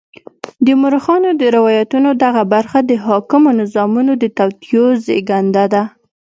د مورخانو د روایتونو دغه برخه د حاکمو نظامونو د توطیو زېږنده ده.